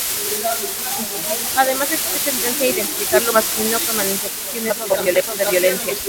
Además existe tendencia a identificar lo masculino con manifestaciones de voluntad o de violencia.